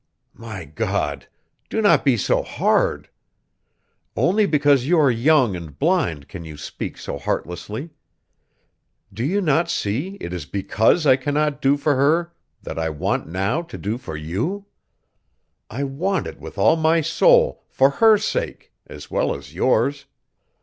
"My God! do not be so hard. Only because you are young and blind can you speak so heartlessly. Do you not see, it is because I cannot do for her, that I want now to do for you? I want it with all my soul for her sake, as well as yours!